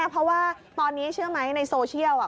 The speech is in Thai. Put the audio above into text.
เพราะว่าตอนนี้เชื่อไหมในโซเชียล